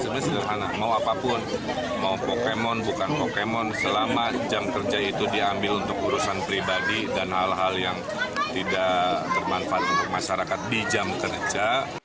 sebenarnya sederhana mau apapun mau pokemon bukan pokemon selama jam kerja itu diambil untuk urusan pribadi dan hal hal yang tidak bermanfaat untuk masyarakat di jam kerja